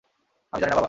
আমি জানি না বাবা।